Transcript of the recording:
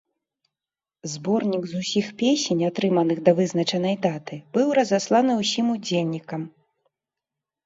Зборнік з усіх песень, атрыманых да вызначанай даты, быў разасланы ўсім удзельнікам.